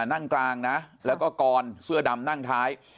นั่งกลางนะแล้วก็กรเสื้อดำนั่งท้าย